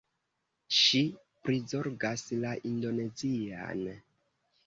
Ŝi prizorgas la Indonezian